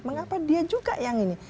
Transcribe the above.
mengapa dia juga yang ini